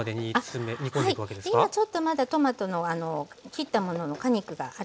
今ちょっとまだトマトの切ったものの果肉があるんですね。